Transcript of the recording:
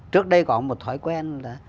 trước đây có một thói quen